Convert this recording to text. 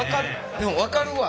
でも分かるわ。